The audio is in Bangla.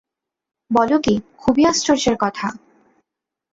বল কী, খুবই আশ্চর্যের কথা।